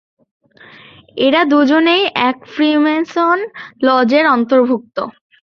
এরা দুজনেই এক ফ্রীমেসন লজের অন্তর্ভুক্ত।